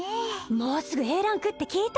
もうすぐＡランクって聞いた？